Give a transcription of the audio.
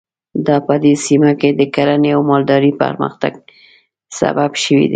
دا په دې سیمه کې د کرنې او مالدارۍ پرمختګ سبب شوي دي.